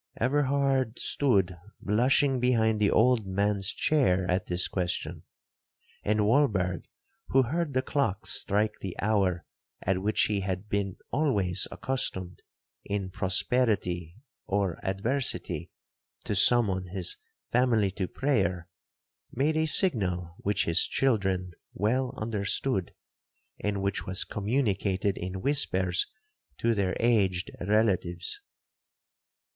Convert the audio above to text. Everhard stood blushing behind the old man's chair at this question, and Walberg, who heard the clock strike the hour at which he had been always accustomed, in prosperity or adversity, to summon his family to prayer, made a signal which his children well understood, and which was communicated in whispers to their aged relatives.